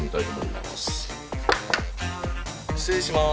失礼します。